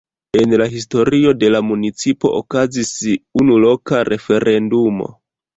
En la historio de la municipo okazis unu loka referendumo.